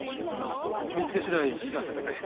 見つけ次第知らせてくれ。